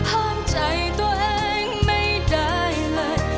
ห้ามใจตัวเองไม่ได้เลย